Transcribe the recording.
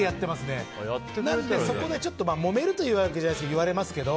なので、そこでもめるわけじゃないけど言われますけど。